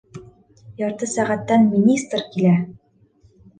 Ярты сәғәттән министр килә!